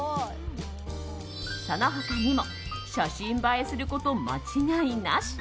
その他にも写真映えすること間違いなし。